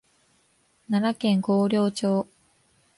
奈良県広陵町